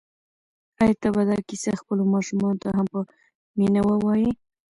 آیا ته به دا کیسه خپلو ماشومانو ته هم په مینه ووایې؟